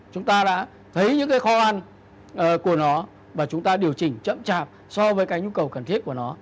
chúng ta đã thấy những cái kho ăn của nó và chúng ta điều chỉnh chậm chạp so với cái nhu cầu cần thiết của nó